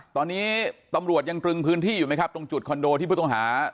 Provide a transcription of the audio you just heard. ตอนนี้ตำรวจยังตรึงพื้นที่อยู่ไหมครับตรงจุดคอนโดที่ผู้ต้องหา